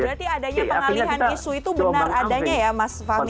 berarti adanya pengalihan isu itu benar adanya ya mas fahmi